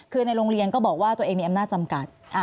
คือในโรงเรียนก็บอกว่าตัวเองมีอำนาจจำกัด